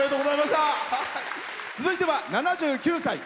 続いては７９歳。